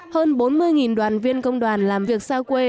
hơn bốn mươi đoàn viên công đoàn làm việc xa quê